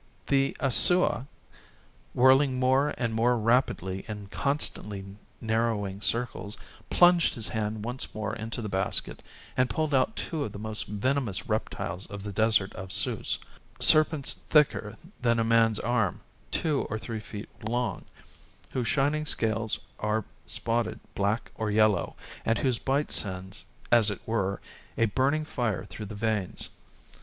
The Aissoua, whirling more and more rapidly in constantly narrowing circles, plunged his hand once more into the basket, and pulled out two of the most venomous reptiles of the desert of Sous; serpents thicker than a man's arm, two or three feet long, whose shining scales are spotted black or yellow, and whose bite sends, as it were, a burning fire through the veins.